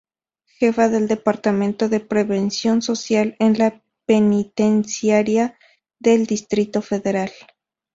Jefa del Departamento de Prevención Social en la Penitenciaría del Distrito Federal.